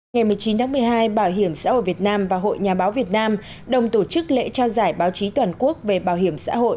ngày một mươi chín tháng một mươi hai bảo hiểm xã hội việt nam và hội nhà báo việt nam đồng tổ chức lễ trao giải báo chí toàn quốc về bảo hiểm xã hội